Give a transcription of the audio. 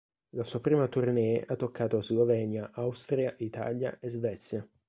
La sua prima tournée ha toccato Slovenia, Austria, Italia e Svezia.